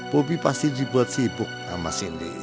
bobi pasti dibuat sibuk sama cindy